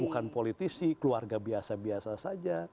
bukan politisi keluarga biasa biasanya